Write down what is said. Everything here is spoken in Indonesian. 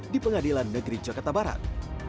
di pengadilan negeri jakarta barat